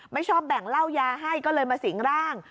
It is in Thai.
ชอบแบ่งเหล้ายาให้ก็เลยมาสิงร่าง